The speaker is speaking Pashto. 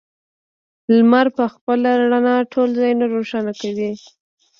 لمر په خپله رڼا ټول ځایونه روښانوي.